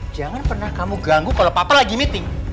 jangan pernah kamu ganggu kalau papa lagi meeting